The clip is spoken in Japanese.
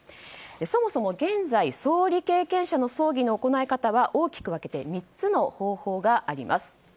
そもそも現在総理経験者の葬儀の行い方は大きく分けて３つの方法があります。